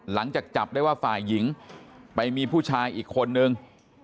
หลังจากจับได้ว่าฝ่ายหญิงไปมีผู้ชายอีกคนนึง